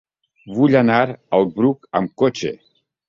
Vull anar al Bruc amb cotxe.